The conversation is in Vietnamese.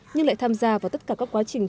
nhưng lại tham gia vào tất cả các quá trình